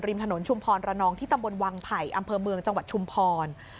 ถนนชุมพรระนองที่ตำบลวังไผ่อำเภอเมืองจังหวัดชุมพร